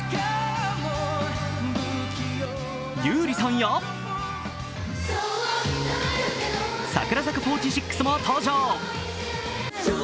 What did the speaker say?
優里さんや櫻坂４６も登場。